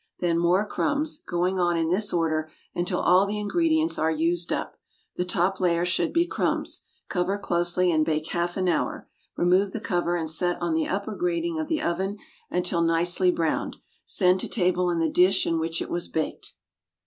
Then more crumbs, going on in this order until all the ingredients are used up. The top layer should be crumbs. Cover closely, and bake half an hour. Remove the cover and set on the upper grating of the oven until nicely browned. Send to table in the dish in which it was baked.